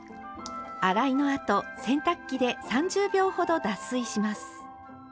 洗いのあと洗濯機で３０秒ほど脱水します。